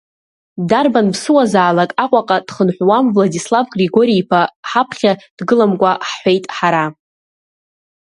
Дарбан аԥсыуазаалак Аҟәаҟа дхынҳәуам Владислав Григори-иԥа ҳаԥхьа дгыламкәа ҳҳәеит ҳара.